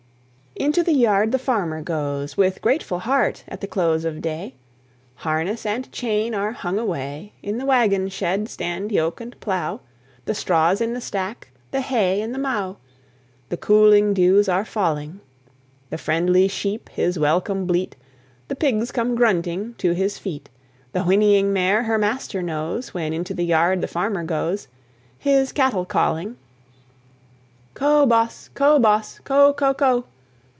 Into the yard the farmer goes, With grateful heart, at the close of day; Harness and chain are hung away; In the wagon shed stand yoke and plow; The straw's in the stack, the hay in the mow; The cooling dews are falling; The friendly sheep his welcome bleat, The pigs come grunting to his feet, The whinnying mare her master knows, When into the yard the farmer goes, His cattle calling, "Co', boss! co', boss! co'! co'! co'!"